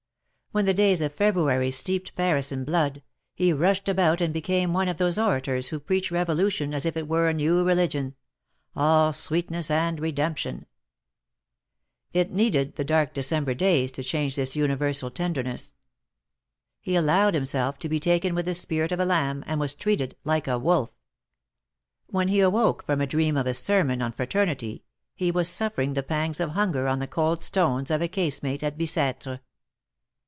When the days of February steeped Paris in blood, he rushed about and became one of those orators who preach Revolution as if it were a new religion — all sweetness and redemption ! It needed the dark December days to change this universal tenderness. He allowed himself to be taken with the spirit of a lamb, and was treated like a wolf. AVhen he awoke from a dream of a sermon on Fraternity, he was suffering the pangs of hunger on the cold stones of a casemate at Bic^tre.